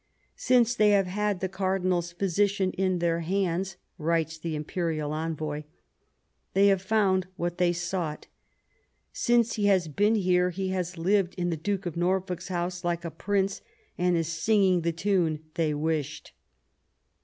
" Since they have had the cardinal's physician in their hands," writes the imperial envoy, "they have found what they sought. Since he has been here he has lived in the Duke of Norfolk's house like a prince, and is singing the tune they wished."